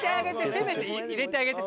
せめて入れてあげて。